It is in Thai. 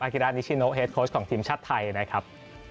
กิรานิชิโนเฮดโค้ชของทีมชาติไทยนะครับ